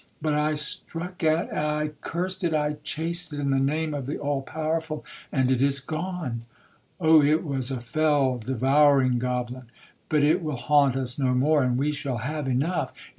But I struck at—I cursed it,—I chased it in the name of the All powerful, and it is gone. Oh it was a fell devouring goblin!—but it will haunt us no more, and we shall have enough.